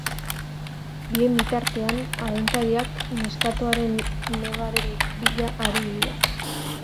Bien bitartean, agintariak neskatoaren nebaren bila ari dira.